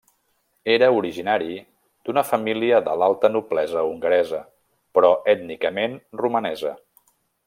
Era originari d'una família de l'alta noblesa hongaresa però ètnicament romanesa.